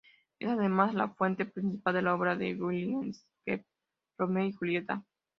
Es además la fuente principal de la obra de William Shakespeare "Romeo y Julieta".